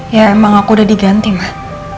ya emang aku udah diganti mah